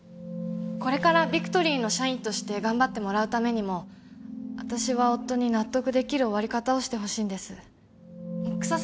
これからビクトリーの社員として頑張ってもらうためにも私は夫に納得できる終わり方をしてほしいんです草